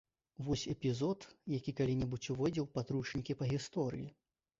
Вось эпізод, які калі-небудзь увойдзе ў падручнікі па гісторыі.